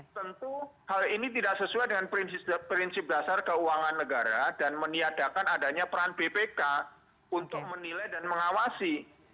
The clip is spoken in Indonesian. tentu hal ini tidak sesuai dengan prinsip dasar keuangan negara dan meniadakan adanya peran bpk untuk menilai dan mengawasi